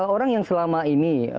orang yang selama ini